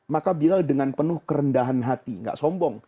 maka bilal dengan penuh kerendahan hati gak sombong